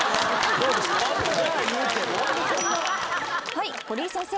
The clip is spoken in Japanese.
はい堀井先生。